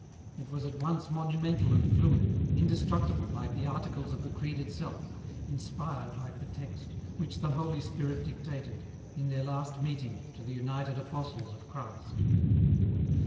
It was at once monumental and fluid, indestructible like the articles of the Creed itself, inspired like the text, which the Holy Spirit dictated, ir their last meeting, to the united apostles of Christ.